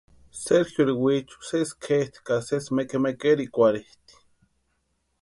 Sergiori wichu sési kʼetʼi ka sési mekemekerhikwarhitʼi.